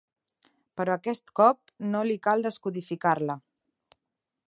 Però aquest cop no li cal descodificar-la.